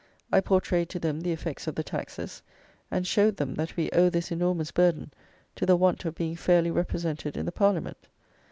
I portrayed to them the effects of the taxes; and showed them that we owe this enormous burden to the want of being fairly represented in the Parliament.